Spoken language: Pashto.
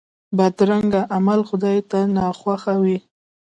بدرنګه عمل خدای ته ناخوښه وي